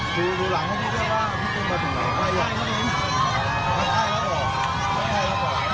ดูหลังให้พี่เบลว่าพี่ตูนมาถึงหลังไว้อย่างนี้